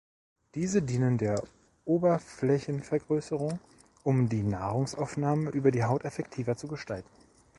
Diese dienen der Oberflächenvergrößerung, um die Nahrungsaufnahme über die Haut effektiver zu gestalten.